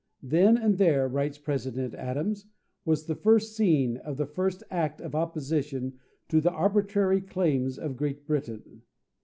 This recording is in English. "Then and there," writes President Adams, "was the first scene of the first act of opposition to the arbitrary claims of Great Britain.